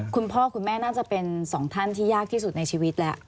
คุณพ่อคุณแม่น่าจะเป็นสองท่านที่ยากที่สุดในชีวิตแล้ว